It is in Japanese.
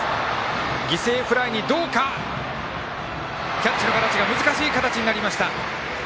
キャッチの形が難しい形になりました。